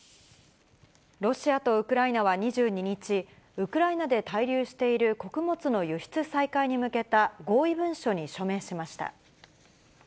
ロシアとウクライナは２２日、ウクライナで滞留している穀物の輸出再開に向けた合意文書に署名しました。